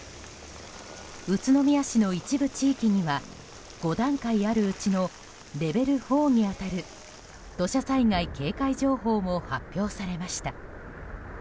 宇都宮市の一部地域には５段階あるうちのレベル４に当たる土砂災害警戒情報も発表されました。